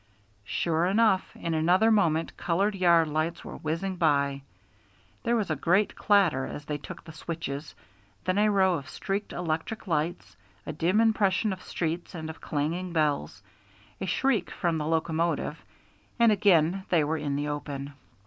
Sure enough, in another moment colored yard lights were whizzing by. There was a great clatter as they took the switches, then a row of streaked electric lights, a dim impression of streets and of clanging bells, a shriek from the locomotive, and again they were in the open.